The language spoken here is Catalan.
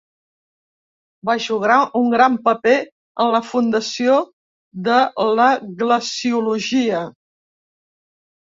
Va jugar un gran paper en la fundació de la glaciologia.